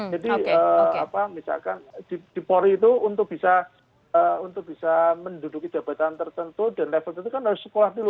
jadi misalkan dipori itu untuk bisa menduduki jabatan tertentu dan level tertentu kan harus sekolah dulu